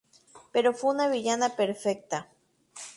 Pero fue una villana perfecta.